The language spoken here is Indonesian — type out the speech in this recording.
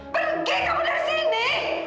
pergi kamu dari sini